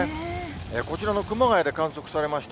こちらの熊谷で観測されました